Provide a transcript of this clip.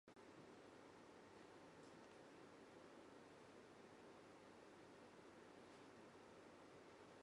横に目をやると、僕の隣にいた君がいなかった。君は生垣の端に駆けていた。